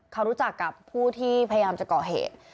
เขารู้จักกับผู้ที่พยายามจะก่อเหตุ